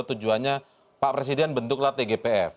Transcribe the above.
tujuannya pak presiden bentuklah tgpf